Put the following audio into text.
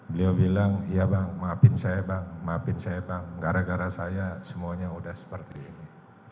beliau bilang ya bang maafin saya bang maafin saya bang gara gara saya semuanya udah seperti ini